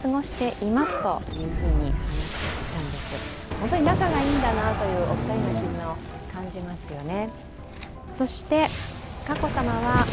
本当に仲がいいんだなというお二人の絆を感じますよね。